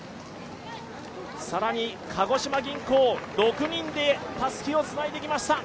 さらに鹿児島銀行、６人でたすきをつないできました。